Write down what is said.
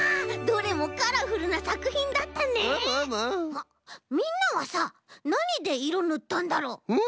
あっみんなはさなにでいろぬったんだろう？ん？